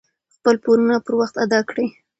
خپل پورونه پر وخت ادا کړئ.